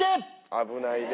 危ないで。